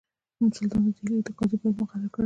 سلطان د ډهلي د قاضي په حیث مقرر کړی یې.